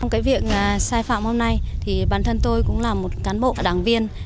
cái việc sai phạm hôm nay thì bản thân tôi cũng là một cán bộ đảng viên